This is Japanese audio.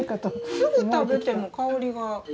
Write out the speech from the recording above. すぐ食べても香りが。